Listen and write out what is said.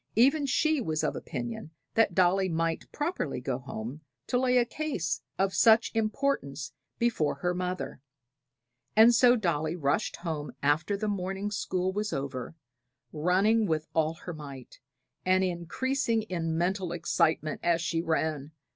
Even she was of opinion that Dolly might properly go home to lay a case of such importance before her mother; and so Dolly rushed home after the morning school was over, running with all her might, and increasing in mental excitement as she ran.